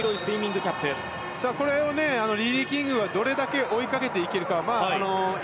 リリー・キングはどれだけ追いかけていけるか。